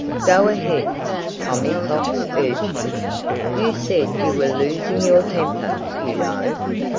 "Go ahead!" Tommy Fox urged him. "You said you were losing your temper, you know."